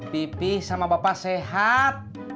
pipih sama bapak sehat